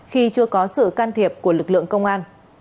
khi chưa có sự can thiệp của lực lượng công an